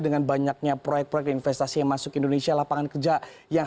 dengan banyaknya proyek proyek investasi yang masuk indonesia lapangan kerja yang